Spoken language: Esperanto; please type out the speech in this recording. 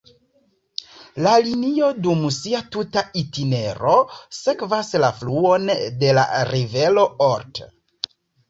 La linio dum sia tuta itinero sekvas la fluon de la rivero Olt.